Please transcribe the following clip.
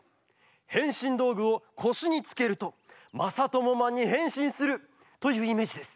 へんしんどうぐをこしにつけるとまさともマンにへんしんするというイメージです。